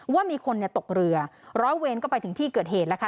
ว่ามีคนตกเรือร้อยเวรก็ไปถึงที่เกิดเหตุแล้วค่ะ